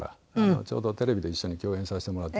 ちょうどテレビで一緒に共演させてもらってまして。